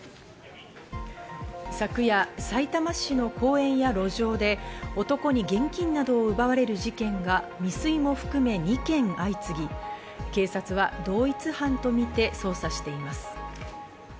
昨夜、さいたま市の公園や路上で男に現金などを奪われる事件が未遂も含め２件相次ぎ、警察は同一犯とみて捜査しています。